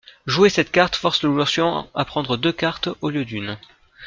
Jouer cette carte force le joueur suivant à prendre deux cartes au lieu d'une.